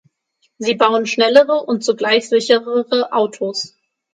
Sie bauen schnellere und zugleich sicherere Autos.